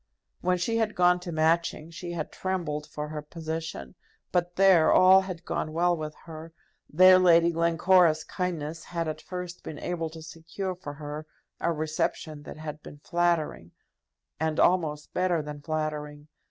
When she had gone to Matching, she had trembled for her position; but there all had gone well with her; there Lady Glencora's kindness had at first been able to secure for her a reception that had been flattering, and almost better than flattering.